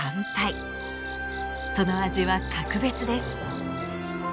その味は格別です。